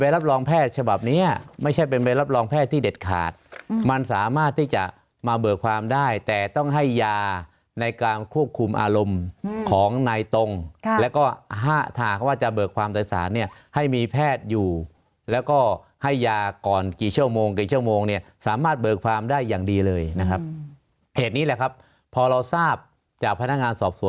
รับรองแพทย์ฉบับเนี้ยไม่ใช่เป็นใบรับรองแพทย์ที่เด็ดขาดมันสามารถที่จะมาเบิกความได้แต่ต้องให้ยาในการควบคุมอารมณ์ของนายตรงแล้วก็ห้าทางเขาว่าจะเบิกความแต่สารเนี่ยให้มีแพทย์อยู่แล้วก็ให้ยาก่อนกี่ชั่วโมงกี่ชั่วโมงเนี่ยสามารถเบิกความได้อย่างดีเลยนะครับเหตุนี้แหละครับพอเราทราบจากพนักงานสอบสว